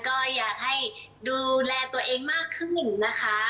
ก็อยากให้ดูแลตัวเองมากขึ้นนะคะ